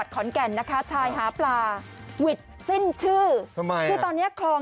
ขอนแก่นนะคะชายหาปลาหวิดสิ้นชื่อทำไมคือตอนเนี้ยคลอง